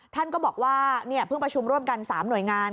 ท่านก็บอกว่าเพิ่งประชุมร่วมกัน๓หน่วยงาน